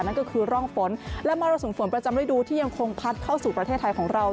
นั่นก็คือร่องฝนและมรสุมฝนประจำฤดูที่ยังคงพัดเข้าสู่ประเทศไทยของเรา